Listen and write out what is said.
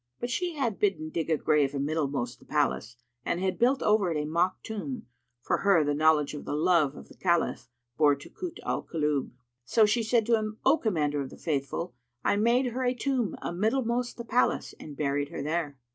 But she had bidden dig a grave amiddlemost the Palace and had built over it a mock tomb, for her knowledge of the love the Caliph bore to Kut al Kulub: so she said to him, "O Commander of the Faithful, I made her a tomb amiddlemost the Palace and buried her there."